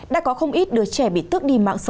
đã có không ít đứa trẻ bị tước đi mạng sơ